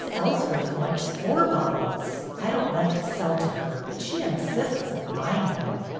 Ellsworth wants four bottles. I don't like to sell to her, but she insists on buying them.